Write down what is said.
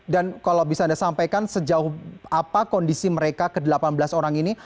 dan kalau bisa anda sampaikan sejauh apa kondisi mereka ke delapan belas orang ini